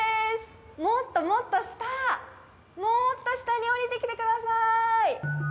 もっともっと下、もっと下に下りてきてください。